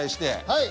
はい。